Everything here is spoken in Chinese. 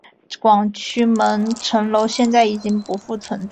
广渠门城楼现在已经不复存在。